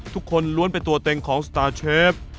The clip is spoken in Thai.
ทุกคนล้วนเป็นตัวเต็งของสตาร์เชฟ